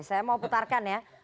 saya mau putarkan ya